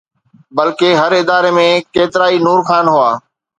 بلڪه هر اداري ۾ ڪيترائي نور خان هئا.